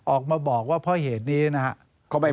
ออกมาบอกว่าเพราะเหตุนี้นะครับ